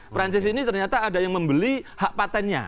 perancis ini ternyata ada yang membeli hak patentnya